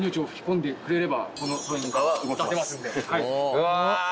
うわ！